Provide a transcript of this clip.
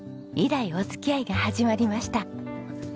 以来お付き合いが始まりました。